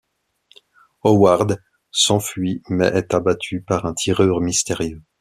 Howard s'enfuit mais est abattu par un tireur mystérieux.